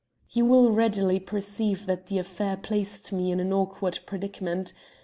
"You will readily perceive that the affair placed me in an awkward predicament.